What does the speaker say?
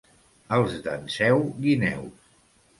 Els d'Enseu, guineus.